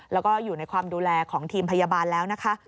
แล้วก็อยู่ในความดูแลของทีมพยาบาลแล้วนะคะ